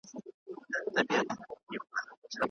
د کتاب او کلي کيسې بايد سره ورته وي.